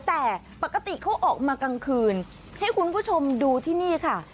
แต่ปกติเขาออกมากลางคืนให้คุณผู้ชมดูที่นี่ค่ะ